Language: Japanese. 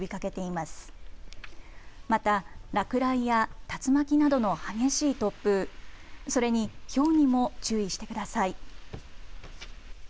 また、落雷や竜巻などの激しい突風、それに、ひょうにも注意してください。